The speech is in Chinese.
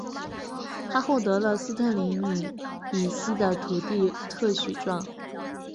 他获得了斯特林岭以西的土地特许状。